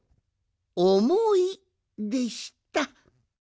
「おもい」でした。